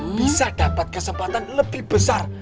bisa dapat kesempatan lebih besar